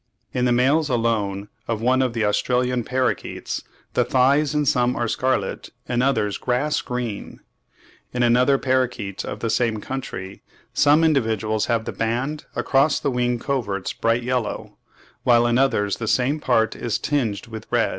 In the males alone of one of the Australian parrakeets "the thighs in some are scarlet, in others grass green." In another parrakeet of the same country "some individuals have the band across the wing coverts bright yellow, while in others the same part is tinged with red."